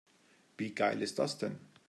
Wie geil ist das denn?